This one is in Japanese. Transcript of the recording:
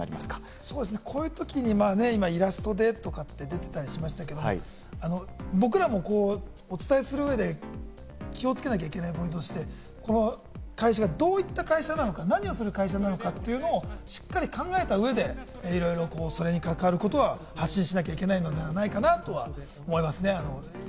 こういうときにイラストでとかって出てたりしてましたけれども、僕らもお伝えする上で気をつけなきゃいけないこととして、この会社がどういった会社なのか、何をする会社なのか、しっかり考えた上で、いろいろそれに関わることは発信しなきゃいけないのではないかなとは思いますね。